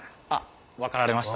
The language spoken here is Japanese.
分かられました？